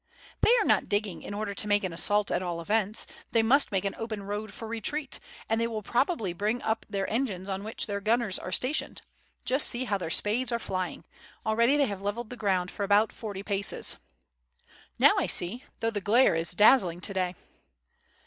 "They are not digging in order to make an assault at all events; they must make an open road for retreat, and they will probably bring up their engines on which their gunners are stationed; just see how their spades are flying; already they have leveled the ground for about forty paces." "Now I see, though the glare is dazzling to day."